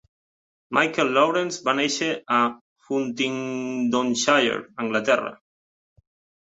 Michael Lawrence va néixer a Huntingdonshire, Anglaterra.